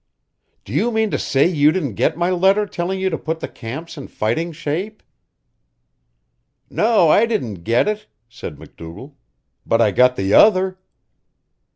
"Do you mean to say you didn't get my letter telling you to put the camps in fighting shape?" "No, I didn't get it," said MacDougall. "But I got the other."